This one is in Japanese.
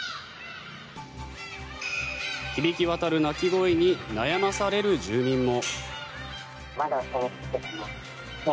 響き渡る鳴き声に悩まされる住民も。